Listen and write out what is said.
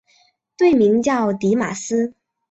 队名叫狄玛斯。